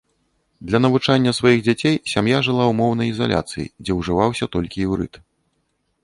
Для навучання сваіх дзяцей сям'я жыла ў моўнай ізаляцыі, дзе ўжываўся толькі іўрыт.